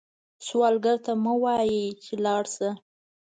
سوالګر ته مه وايئ “لاړ شه”